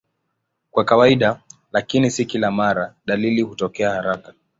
Kwa kawaida, lakini si kila mara, dalili hutokea haraka.